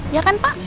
ya kan pak